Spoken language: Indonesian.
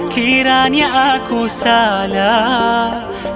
kiranya aku salah